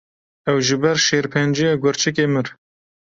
Ew ji ber şêrpenceya gurçikê mir.